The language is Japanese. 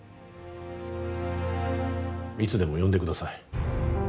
いつでも呼んでください